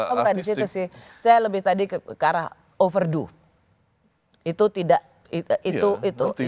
oh bukan disitu sih saya lebih tadi ke arah overdue itu tidak itu itu